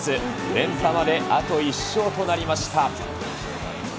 連覇まであと１勝となりました。